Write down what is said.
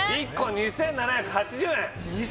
２７００円？